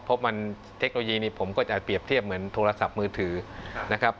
เพราะมันเทคโนโลยีนี้ผมก็จะเปรียบเทียบเหมือนโทรศัพท์มือถือนะครับ